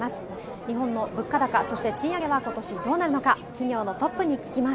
日本の物価高、そして賃上げは今年どうなるのか企業のトップに聞きます。